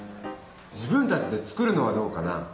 自分たちで作るのはどうかな？